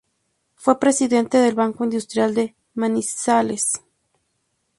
Fue presidente del Banco Industrial de Manizales.